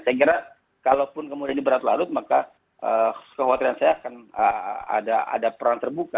saya kira kalaupun kemudian ini berat larut maka kekhawatiran saya akan ada perang terbuka